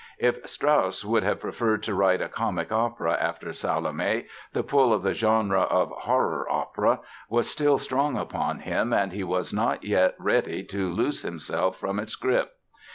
If Strauss would have preferred to write a comic opera after Salome the pull of the genre of "horror opera" was still strong upon him and he was not yet ready to loose himself from its grip.